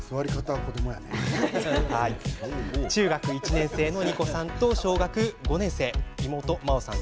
中学１年生のニコさんと小学５年生の妹、マオさん。